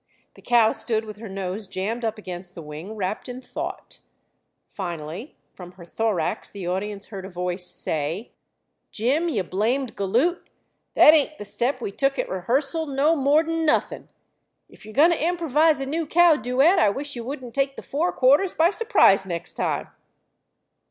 The cow stood with her nose jammed up against the wing, wrapped in thought, Finally, from her thorax the audience heard a voice say: "Jim, you blamed galoot, that ain't the step we took at rehearsal no more'n nuthin'. If you're going to improvise a new cow duet, I wish you wouldn't take the fore quarters by surprise next time."